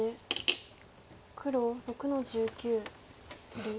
黒６の十九取り。